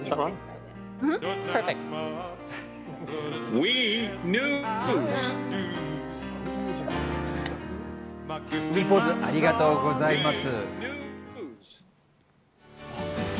ＷＥポーズ、ありがとうございます。